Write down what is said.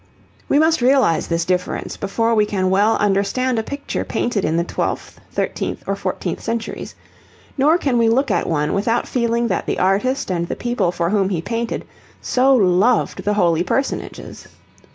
We must realise this difference before we can well understand a picture painted in the twelfth, thirteenth, or fourteenth centuries, nor can we look at one without feeling that the artist and the people for whom he painted, so loved the holy personages.